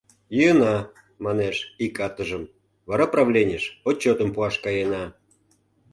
— Йӱына, манеш, ик атыжым, вара правленьыш отчётым пуаш каена.